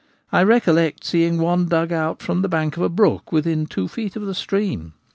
I re collect seeing one dug out from the bank of a brook within two feet of the stream.